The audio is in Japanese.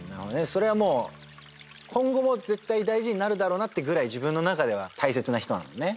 それはもう今後も絶対大事になるだろうなってぐらい自分の中では大切な人なんだね。